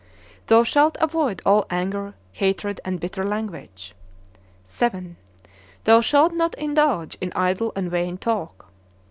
Thou shalt avoid all anger, hatred, and bitter language. VII. Thou shalt not indulge in idle and vain talk.